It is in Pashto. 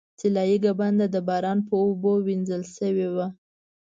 طلایي ګنبده د باران په اوبو وینځل شوې وه.